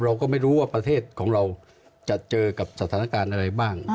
เราก็ไม่รู้ว่าประเทศของเราจะเจอกับสถานการณ์อะไรบ้าง